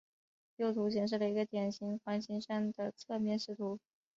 右图显示了一个典型环形山的侧面视图。